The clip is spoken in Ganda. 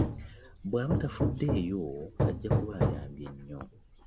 Bw'aba tafuddeeyo ajja kuba ayambye nnyo.